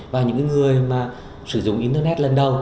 và những người mà sử dụng internet lần đầu